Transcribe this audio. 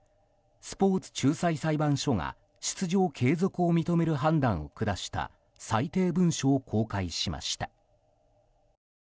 スポーツ仲裁裁判所が出場継続を認める判断を下した裁定文書を公開しました。